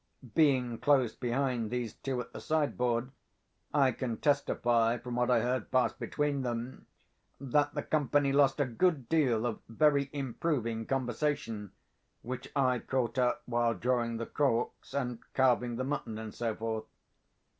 Being close behind these two at the sideboard, I can testify, from what I heard pass between them, that the company lost a good deal of very improving conversation, which I caught up while drawing the corks, and carving the mutton, and so forth.